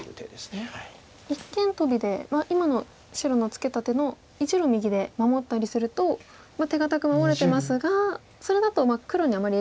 一間トビで今の白のツケた手の１路右で守ったりすると手堅く守れてますがそれだと黒にあんまり影響が。